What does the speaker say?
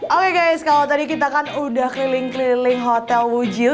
oke guys kalo tadi kita kan udah keliling keliling hotel wujud